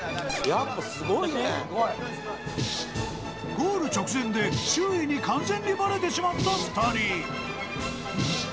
［ゴール直前で周囲に完全にバレてしまった２人］